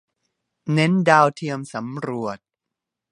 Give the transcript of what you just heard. เน้นดาวเทียมสำรวจ